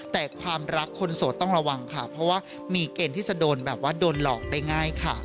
แต่ความรักคนโสดต้องระวังค่ะเพราะว่ามีเกณฑ์ที่จะโดนแบบว่าโดนหลอกได้ง่ายค่ะ